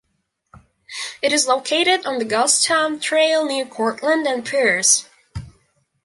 It is located on the Ghost Town Trail near Courtland and Pearce.